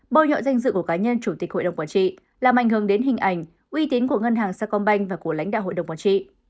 bôi nhọ danh dự của cá nhân chủ tịch hội đồng quản trị làm ảnh hưởng đến hình ảnh uy tín của ngân hàng sacombank và của lãnh đạo hội đồng quản trị